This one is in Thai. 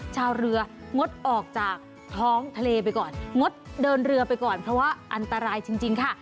ชาวเรืองดออกจากท้องทะเลไปก่อนงดเดินเรือไปก่อนเพราะว่าอันตรายจริงค่ะ